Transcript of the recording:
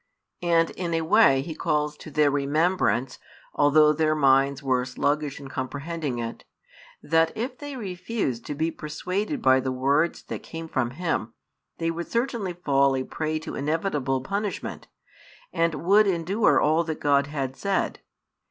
And in a way He calls to their remembrance, although their minds were sluggish in comprehending it, that if they refused to be persuaded by the words that came from Him, they would certainly fall a prey to inevitable punishment, and would endure all that God had said.